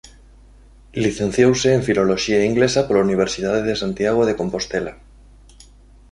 Licenciouse en Filoloxía Inglesa pola Universidade de Santiago de Compostela.